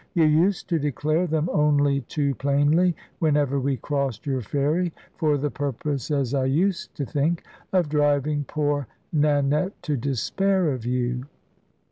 You used to declare them only too plainly, whenever we crossed your ferry, for the purpose, as I used to think, of driving poor Nanette to despair of you."